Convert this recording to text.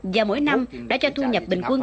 đã được nâng cao chất lượng một cách rõ rệt